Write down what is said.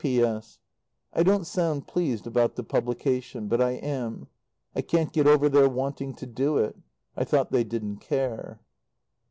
P.S. I don't sound pleased about the publication; but I am. I can't get over their wanting to do it. I thought they didn't care.